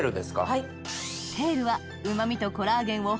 はい。